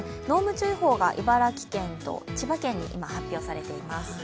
濃霧注意報が茨城県と千葉県に今、発表されています。